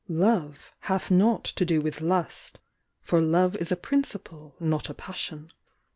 Love hath naught to do with Lust,— for Love is a Principle, not a Passion.